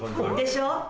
でしょ？